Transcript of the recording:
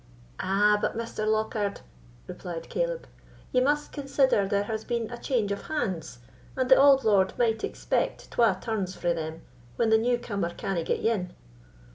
"Ah! but Mr. Lockhard," replied Caleb, "ye must consider there has been a change of hands, and the auld lord might expect twa turns frae them, when the new comer canna get ane.